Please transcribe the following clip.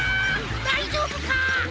だいじょうぶか！